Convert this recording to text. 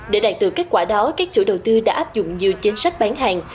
để đạt được kết quả đó các chủ đầu tư đã áp dụng nhiều chính sách bán hàng